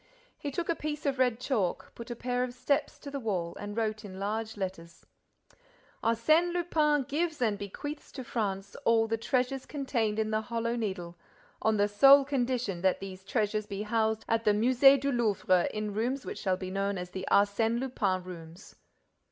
He took a piece of red chalk, put a pair of steps to the wall and wrote, in large letters: Arsène Lupin gives and bequeaths to France all the treasures contained in the Hollow Needle, on the sole condition that these treasures be housed at the Musée du Louvre in rooms which shall be known as the Arsène Lupin Rooms.